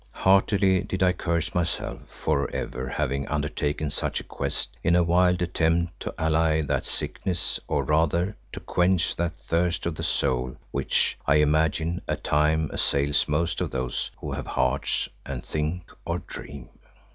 Heartily did I curse myself for ever having undertaken such a quest in a wild attempt to allay that sickness, or rather to quench that thirst of the soul which, I imagine, at times assails most of those who have hearts and think or dream.